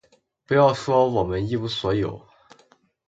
不要说我们一无所有，